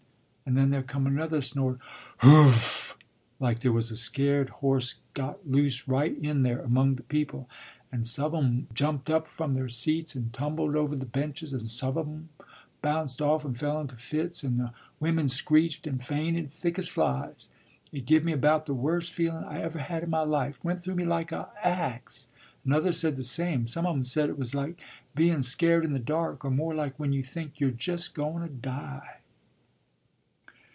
and then there come another snort, 'Hooff!' like there was a scared horse got loose right in there among the people; and some of 'em jumped up from their seats, and tumbled over the benches, and some of 'em bounced off, and fell into fits, and the women screeched and fainted, thick as flies. It give me about the worst feelun' I ever had in my life: went through me like a ax, and others said the same; some of 'em said it was like beun' scared in the dark, or more like when you think you're just goun' to die.